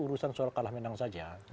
urusan soal kalah menang saja